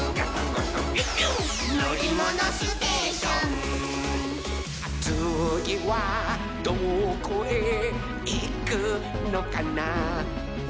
「のりものステーション」「つぎはどこへいくのかなほら」